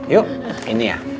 yuk ini ya